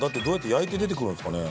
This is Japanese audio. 焼いて出てくるんですかね？